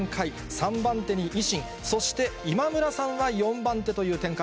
３番手に維新、そして今村さんは４番手という展開。